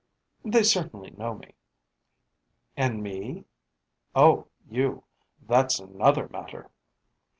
'They certainly know me.' 'And me?' 'Oh, you; that's another matter!'